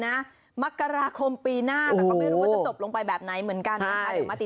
ตังค์ก็ไม่ต้องเสียอะไร